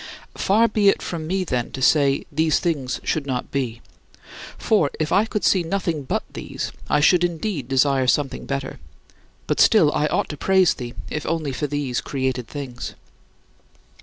Far be it from me, then, to say, "These things should not be." For if I could see nothing but these, I should indeed desire something better but still I ought to praise thee, if only for these created things.